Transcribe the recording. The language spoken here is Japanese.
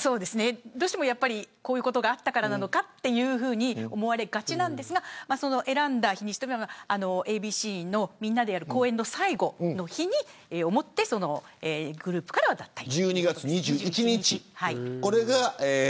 どうしてもこういうことがあったからなのかと思われがちなんですが選んだ日にちはＡ．Ｂ．Ｃ−Ｚのみんなでやる公演の最後の日ということで１２月２１日。